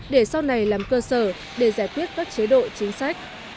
để sau này làm cơ sở để giải quyết các chế độ chính sách